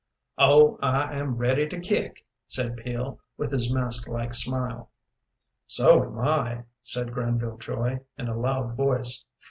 "Oh, I am ready to kick," said Peel, with his mask like smile. "So am I," said Granville Joy, in a loud voice.